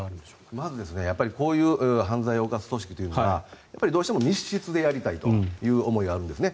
まず、こういう犯罪を犯す組織というのはどうしても密室でやりたいという思いがあるんですね。